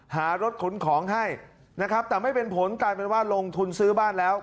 หารถขนของให้นะครับแต่ไม่เป็นผลกลายเป็นว่าลงทุนซื้อบ้านแล้ว